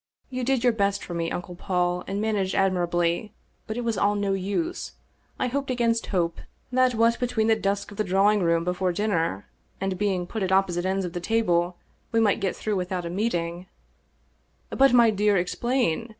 You did your best for me, Uncle Paul, and managed admirably, but it was all no use. I hoped against hope that what between the dusk of the drawing room before dinner, and being put at opposite ends of the table, we might get through without a meeting "" But, my dear, explain.